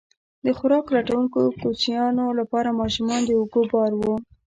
د خوراک لټونکو کوچیانو لپاره ماشومان د اوږو بار وو.